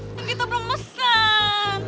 kita belum pesen